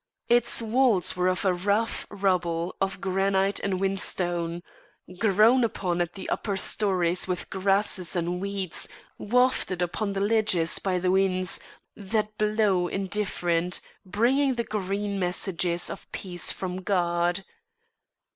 Its walls were of a rough rubble of granite and whinstone, grown upon at the upper storeys with grasses and weeds wafted upon the ledges by the winds that blow indifferent, bringing the green messages of peace from God.